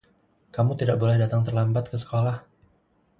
Kamu tidak boleh datang terlambat ke sekolah.